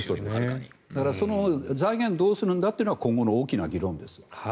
だから、その財源どうするんだというのは今後の大きな議論です。